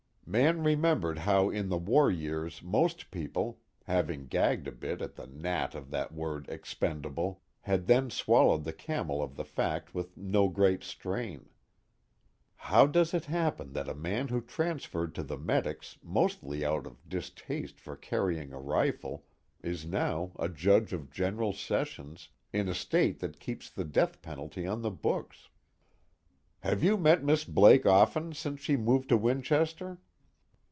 Mann remembered how in the war years most people, having gagged a bit at the gnat of that word expendable, had then swallowed the camel of the fact with no great strain. _How does it happen that a man who transferred to the Medics mostly out of distaste for carrying a rifle is now a judge of General Sessions, in a state that keeps the death penalty on the books?_ "Have you met Miss Blake often since she moved to Winchester?"